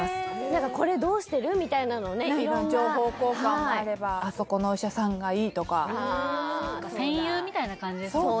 何かこれどうしてる？みたいなのをね色んな情報交換もあればあそこのお医者さんがいいとか戦友みたいな感じですもんね